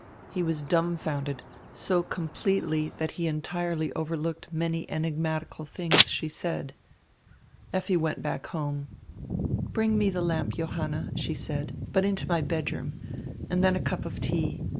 He was dumbfounded, so com pletely that he entirely overlooked many enigmatical tilings she said. Lffi went back home. "Bring me the lamp, Johanna," she said, "but into my bedroom. And then a cup of tea.